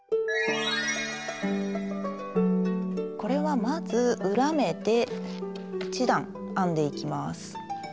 これはまず裏目で１段編んでいきます。